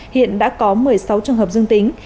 hiện đã có một mươi sáu trường hợp dương tính